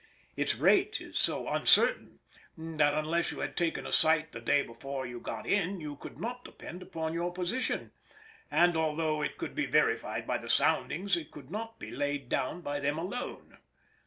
Its rate is so uncertain, that unless you had taken a sight the day before you got in you could not depend upon your position, and although it could be verified by the soundings it could not be laid down by them alone.